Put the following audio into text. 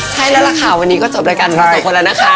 ใช่แล้วล่ะค่ะวันนี้ก็จบรายการทุก๒คนแล้วนะคะ